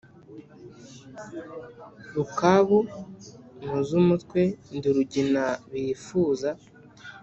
Rukabu mu z' umutwe ndi Rugina bifuza